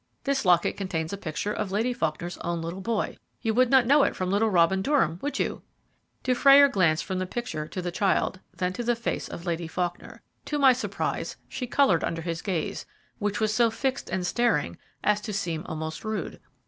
"This locket contains a picture of Lady Faulkner's own little boy. You would not know it from little Robin Durham, would you?" Dufrayer glanced from the picture to the child, then to the face of Lady Faulkner. To my surprise she coloured under his gaze, which was so fixed and staring as to seem almost rude.